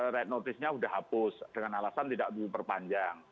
red notice nya sudah hapus dengan alasan tidak diperpanjang